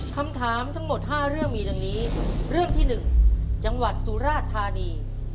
คำถามทั้งหมด๕เรื่องมีดังนี้เรื่องที่๑จังหวัดสุราธานี